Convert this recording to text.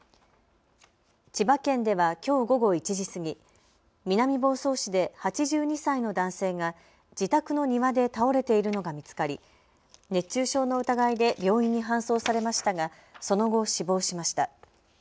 千葉県ではきょう午後１時過ぎ、南房総市で８２歳の男性が自宅の庭で倒れているのが見つかり熱中症の疑いで病院に搬送されましたがその後、死亡しました。